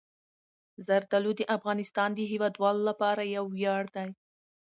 زردالو د افغانستان د هیوادوالو لپاره یو ویاړ دی.